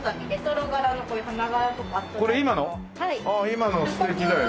今の素敵だよね。